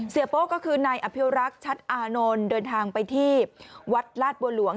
โป้ก็คือนายอภิวรักษ์ชัดอานนท์เดินทางไปที่วัดลาดบัวหลวง